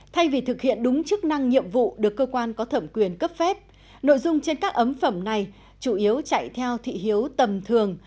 thay vì thực hiện đúng chức năng nhiệm vụ được cơ quan có thẩm quyền cấp phép nội dung trên các ấm phẩm này chủ yếu chạy theo thị hiếu tầm thường